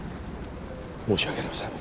申し訳ありません。